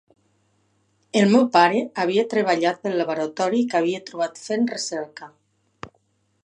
El meu pare havia treballat pel laboratori que havia trobat fent recerca.